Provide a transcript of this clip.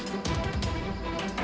aku harus buktikan